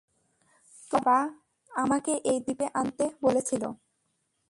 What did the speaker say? তোমার বাবা আমাকে এই দ্বীপে আনতে বলেছিল?